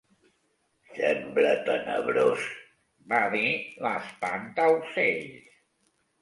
"Sembla tenebrós", va dir l'Espantaocells.